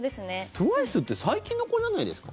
ＴＷＩＣＥって最近の子じゃないですか？